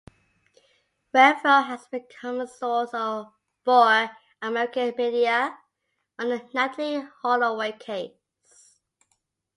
Renfro has become a source for American media on the Natalee Holloway case.